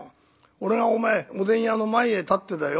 俺がお前おでん屋の前へ立ってだよ